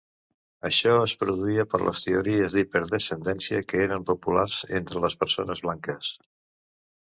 Això es produïa per les teories d'hiperdescendència que eren populars entre les persones blanques.